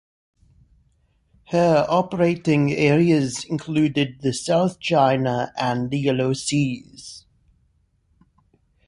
Her operating areas included the South China and the Yellow Seas.